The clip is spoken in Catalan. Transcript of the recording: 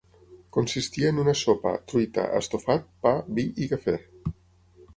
Consistia en una sopa, truita, estofat, pa, vi i cafè